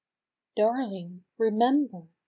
DARLING remember !